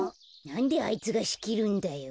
なんであいつがしきるんだよ。